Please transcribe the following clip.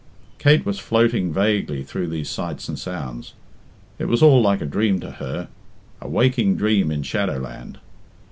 Kate was floating vaguely through these sights and sounds. It was all like a dream to her a waking dream in shadow land.